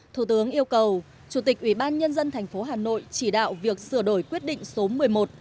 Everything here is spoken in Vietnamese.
thủ tướng yêu cầu chủ tịch ubnd tp hà nội chỉ đạo việc sửa đổi quyết định số một mươi một